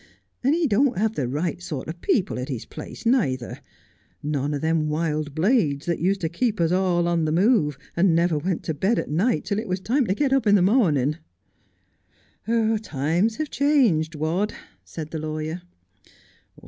And he don't have the right sort of people at his place, neither, — none o' them wild blades that used to keep us all on the move and never went to bed at night till it was time to get up in the mornin'.' ' Times have changed, Wadd,' said the lawyer.